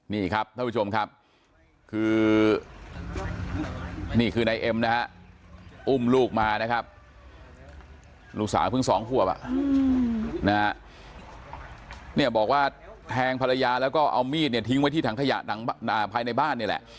นี่ครับท่านผู้ชมครับคือนี่คือนายเอ็มนะฮะอุ้มลูกมานะครับลูกสาวเพิ่งสองขวบอ่ะนะฮะเนี่ยบอกว่าแทงภรรยาแล้วก็เอามีดเนี่ยทิ้งไว้ที่ถังขยะภายในบ้านนี่แหละ